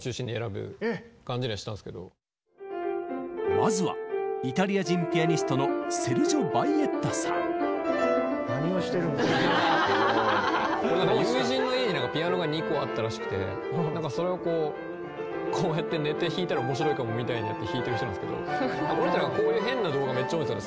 まずはイタリア人ピアニストの友人の家にピアノが２個あったらしくてなんかそれをこうこうやって寝て弾いたら面白いかもみたいになって弾いてる人なんですけどこの人こういう変な動画めっちゃ多いんすよね。